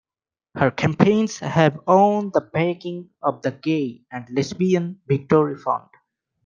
Her campaigns have won the backing of the Gay and Lesbian Victory Fund.